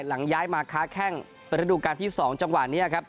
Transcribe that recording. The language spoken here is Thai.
หลังย้ายมาค้าแข้งเป็นระดูการที่๒จังหวะนี้ครับ